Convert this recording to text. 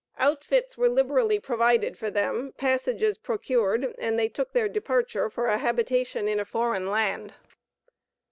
Outfits were liberally provided for them, passages procured, and they took their departure for a habitation in a foreign land.